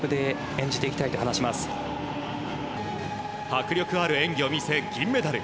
迫力ある演技を見せ銀メダル。